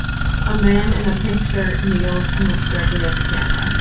A man in a pink shirt kneels and looks directly at the camera.